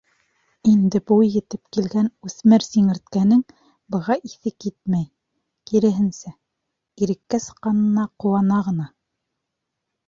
Инде буй етеп килгән үҫмер сиңерткәнең быға иҫе китмәй, киреһенсә, иреккә сыҡҡанына ҡыуана ғына.